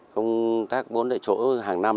công tác bốn đại chỗ hàng năm